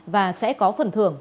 và sẽ có phần thưởng